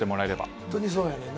本当にそうやねんな。